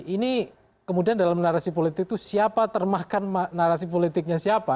ini kemudian dalam narasi politik itu siapa termahkan narasi politiknya siapa